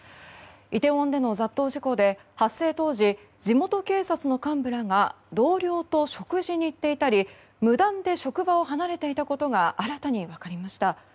イテウォンでの殺到事故で発生当時地元警察の幹部らが同僚と食事に行っていたり無断で職場を離れていたことが新たに分かりました。